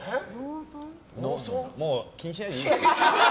もう気にしないでいいですよ。